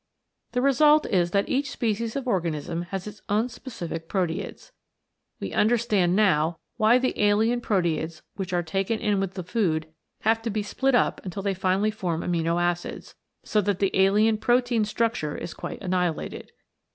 The result is that each species of organism has its own specific proteids. We understand now why the alien proteids which are taken in with the food have to be split up until they finally form amino acids, so that the alien protein structure is quite annihilated.